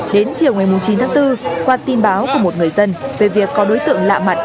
đến chiều ngày chín tháng bốn qua tin báo của một người dân về việc có đối tượng lạ mặt